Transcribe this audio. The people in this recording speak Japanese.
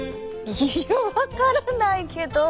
いや分からないけど。